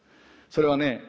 それはね